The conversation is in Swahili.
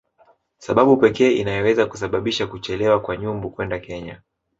sababu pekee inayoweza kusababisha kuchelewa kwa Nyumbu kwenda Kenya